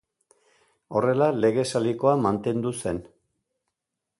Horrela Lege Salikoa mantendu zen.